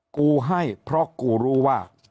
กูให้เพราะกูรู้ว่า